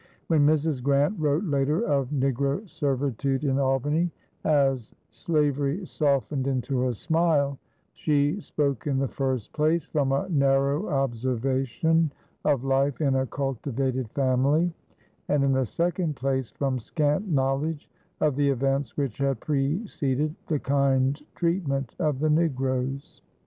When Mrs. Grant wrote later of negro servitude in Albany as "slavery softened into a smile," she spoke in the first place from a narrow observation of life in a cultivated family, and in the second place from scant knowledge of the events which had preceded the kind treatment of the negroes.